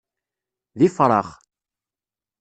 D ifṛax.